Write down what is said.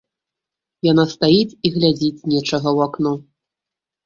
Яна стаіць і глядзіць нечага ў акно.